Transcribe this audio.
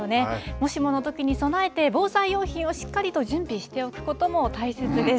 もしもの時に備えて、防災用品をしっかりと準備しておくことも大切です。